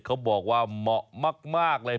เขาบอกว่าเหมาะมากเลย